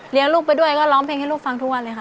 ลูกไปด้วยก็ร้องเพลงให้ลูกฟังทุกวันเลยค่ะ